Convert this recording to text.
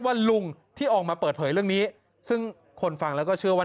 ลุงที่ออกมาเปิดเผยเรื่องนี้ซึ่งคนฟังแล้วก็เชื่อว่า